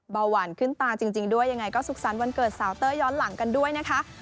เบาหวานขึ้นตาจริงด้วยยังไงก็สุขสรรค์วันเกิดสาวเต้ยย้อนหลังกันด้วยนะคะ